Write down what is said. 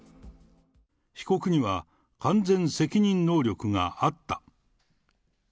被告には完全責任能力があった。